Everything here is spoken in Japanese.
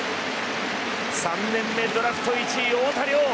３年目、ドラフト１位の太田椋。